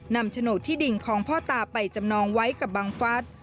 โฉนดที่ดินของพ่อตาไปจำนองไว้กับบังฟัส